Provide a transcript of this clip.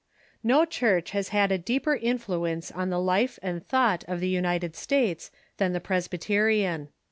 ] Xo Cliurch has had a deeper inflitence on the life and thought of the United State.s than the Presbyterian.